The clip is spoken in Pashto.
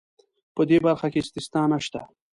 په دې برخه کې استثنا نشته.